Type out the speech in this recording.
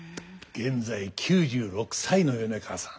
現在９６歳の米川さん。